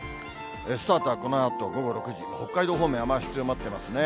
スタートはこのあと午後６時、北海道方面、雨足強まってますね。